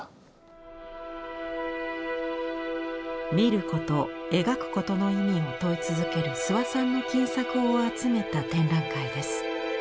「視ること・描くこと」の意味を問い続ける諏訪さんの近作を集めた展覧会です。